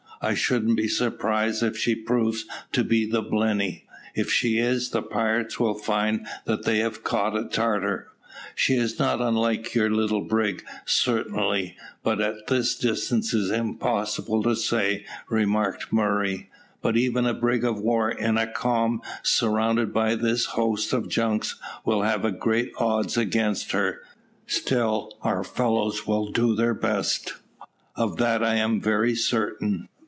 "I shouldn't be surprised if she proves to be the Blenny. If she is, the pirates will find that they have caught a Tartar." "She is not unlike your little brig, certainly, but at this distance it is impossible to say," remarked Murray. "But even a brig of war in a calm, surrounded by this host of junks, will have great odds against her; still, our fellows will do their best of that I am very certain."